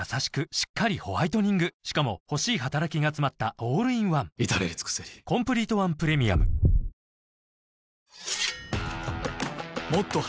しっかりホワイトニングしかも欲しい働きがつまったオールインワン至れり尽せり湖池屋